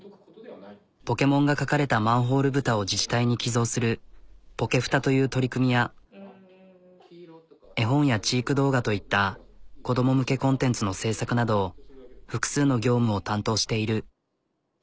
ポケモンが描かれたマンホールぶたを自治体に寄贈するポケふたという取り組みや絵本や知育動画といった子ども向けコンテンツの制作など複数の業務を担当している。